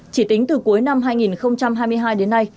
chỉ tính từ cuối năm hai nghìn hai mươi hai đến nay